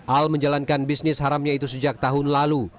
al menjalankan bisnis haramnya itu sejak tahun lalu